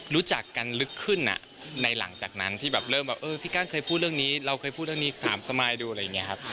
รู้จักกันลึกขึ้นในหลังจากนั้นที่แบบเริ่มแบบเออพี่กั้นเคยพูดเรื่องนี้เราเคยพูดเรื่องนี้ถามสมายดูอะไรอย่างนี้ครับ